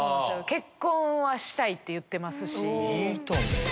結婚はしたいって言ってますし。